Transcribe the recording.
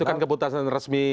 itu kan keputusan resmi